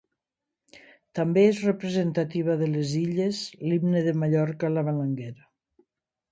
També és representativa de les Illes l'himne de Mallorca, la Balanguera.